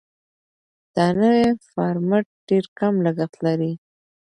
دا نوی فارمټ ډېر کم لګښت لري.